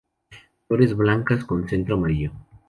Flores blancas con centro amarillo.